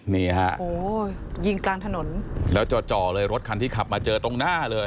นี่ฮะโอ้ยิงกลางถนนแล้วจ่อเลยรถคันที่ขับมาเจอตรงหน้าเลย